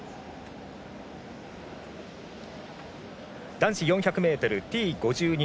男子４００ｍＴ５２